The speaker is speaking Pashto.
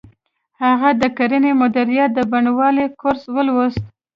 هغه د کرنې مدیریت د بڼوالۍ کورس ولوست